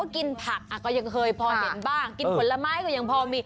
กินผักก็ยังเคยพอเห็นบ้างกินผลไม้ก็ยังพอมี